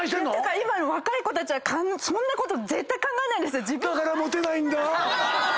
今の若い子たちはそんなこと絶対考えないんです。